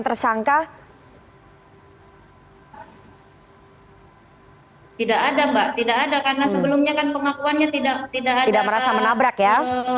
tersangka tidak ada mbak tidak ada karena sebelumnya kan pengakuannya tidak ada merasa menabrak ya